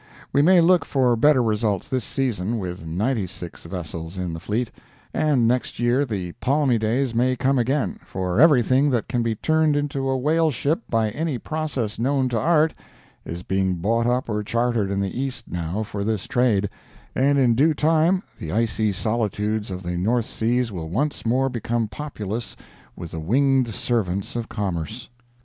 We may look for better results this season, with ninety six vessels in the fleet; and next year the "palmy days" may come again, for everything that can be turned into a whale ship by any process known to art is being bought up or chartered in the East now for this trade, and in due time the icy solitudes of the North Seas will once more become populous with the winged servants of commerce.